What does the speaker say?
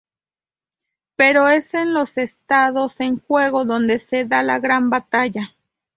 Pero es en los estados "en juego" donde se da la gran batalla.